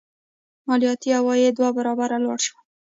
مالیاتي عواید دوه برابره لوړ شول.